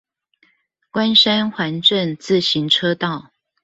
關山環鎮自行車道